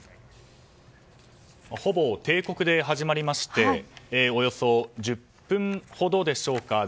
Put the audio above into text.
ほぼ定刻で始まりましておよそ１０分ほどでしょうか。